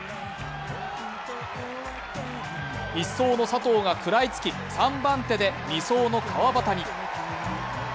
１走の佐藤が食らいつき、３番手で２走の川端に。